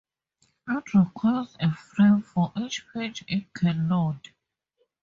It requires a "frame" for each page it can load.